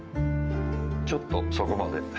ちょっとそこまで。